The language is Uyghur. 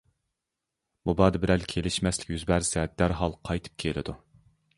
مۇبادا بىرەر كېلىشمەسلىك يۈز بەرسە دەرھال قايتىپ كېلىدۇ.